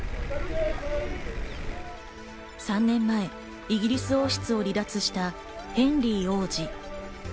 ３年前、イギリス王室を離脱したヘンリー王子。